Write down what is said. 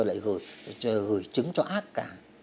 không bao giờ lại gửi chứng cho ác cả